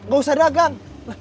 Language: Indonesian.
gak usah dagang